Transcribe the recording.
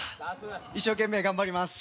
一生懸命頑張ります。